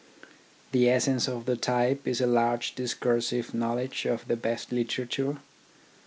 The essence of the type is a large discursive knowledge of the best literature.